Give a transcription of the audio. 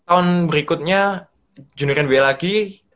tahun berikutnya junior b lagi